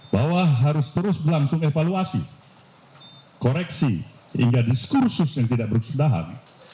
bahwa harus terus berlangsung evaluasi koreksi hingga diskursus yang tidak berkesudahan